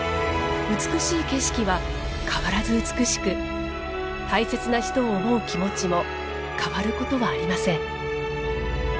美しい景色は変わらず美しく大切な人を思う気持ちも変わることはありません。